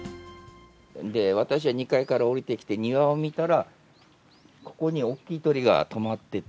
私が２階から降りてきて、庭を見たら、ここに大きい鳥が止まってて。